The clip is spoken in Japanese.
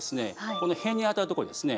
この偏にあたるところですね